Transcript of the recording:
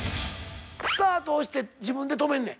スタート押して自分で止めんねん。